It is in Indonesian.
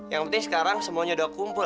yang penting sekarang semuanya udah kumpul